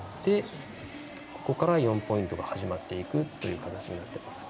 ここから４ポイントが始まっていくという感じになります。